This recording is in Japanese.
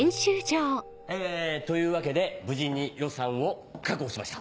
えというわけで無事に予算を確保しました。